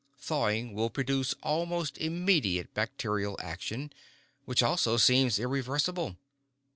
Thawing will produce almost immediate bacterial action, which also seems irreversible.